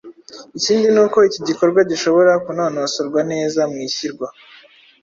Ikindi ni uko iki gikorwa gishobora kunonosorwa neza mu ishyirwa